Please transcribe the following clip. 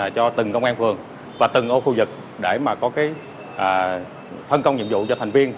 cho từng công an phường và từng ô khu vực để mà có phân công nhiệm vụ cho thành viên